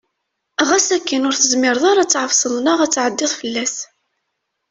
Ɣas akken ur tezmireḍ ara ad t-tɛefseḍ neɣ ad t-ttɛeddiḍ fell-as.